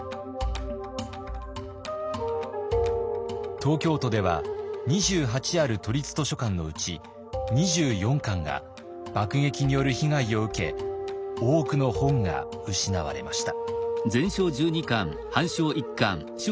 東京都では２８ある都立図書館のうち２４館が爆撃による被害を受け多くの本が失われました。